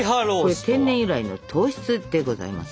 これ天然由来の糖質でございます。